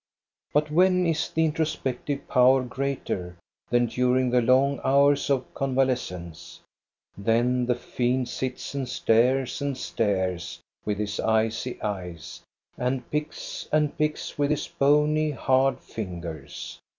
But when is the introspective power greater than during the long hours of convalescence? Then the fiend sits and stares and stares with his icy eyes, and picks and picks with his bony, hard fingers.